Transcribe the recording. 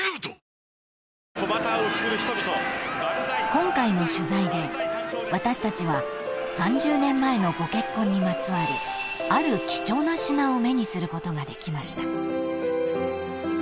［今回の取材で私たちは３０年前のご結婚にまつわるある貴重な品を目にすることができました］